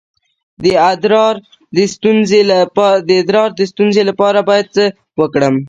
د ادرار د ستونزې لپاره باید څه وکړم؟